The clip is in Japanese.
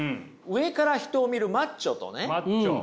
上から人を見るマッチョリーダー